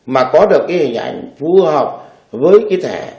mà có được cái hình ảnh phù hợp với cái thẻ